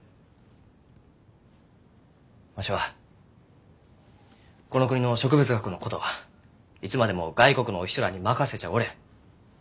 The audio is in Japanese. わしはこの国の植物学のことはいつまでも外国のお人らに任せちゃあおれん。